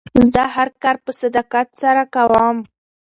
زه هر کار په صداقت سره کوم.